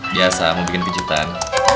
biasa mau bikin pijutan